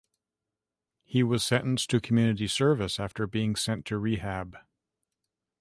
He was sentenced to community service after being sent to rehab.